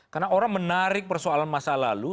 karena orang menarik persoalan masa lalu